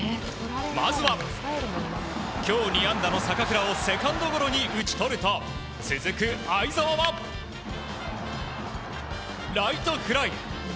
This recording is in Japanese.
まずは、今日２安打の坂倉をセカンドゴロに打ち取ると続く會澤はライトフライ。